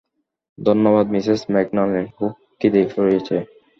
ধন্যবাদ, Mrs McNally, খুব খিদে পেয়েছে।